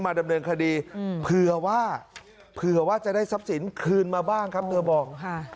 ดำเนินคดีเผื่อว่าเผื่อว่าจะได้ทรัพย์สินคืนมาบ้างครับเธอบอก